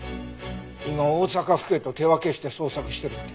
今大阪府警と手分けして捜索してるって。